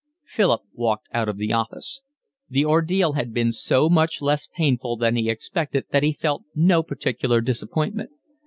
Philip walked out of the office. The ordeal had been so much less painful than he expected that he felt no particular disappointment.